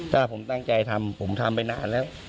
ถ้าผมตั้งใจทำผมทำไปนานแล้ว